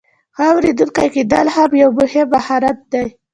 ښه اوریدونکی کیدل هم یو مهم مهارت دی.